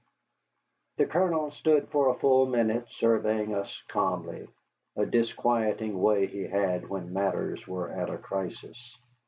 The Colonel stood for a full minute surveying us calmly, a disquieting way he had when matters were at a crisis.